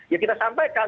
ya kita sampaikan